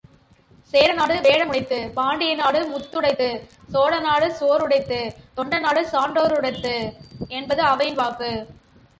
சேரநாடு வேழமுடைத்து, பாண்டி நாடு முத்துடைத்து, சோழநாடு சோறுடைத்து, தொண்டை நாடு சான்றோருடைத்து என்பது ஒளவையின் வாக்கு.